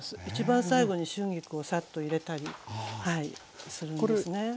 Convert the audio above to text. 一番最後に春菊をサッと入れたりするんですね。